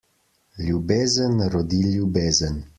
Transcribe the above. Ljubezen rodi ljubezen.